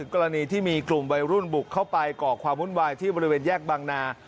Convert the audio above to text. กรณีที่มีกลุ่มวัยรุ่นบุกเข้าไปก่อความวุ่นวายที่บริเวณแยกบางนา